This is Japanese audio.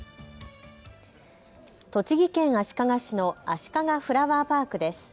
栃木県足利市のあしかがフラワーパークです。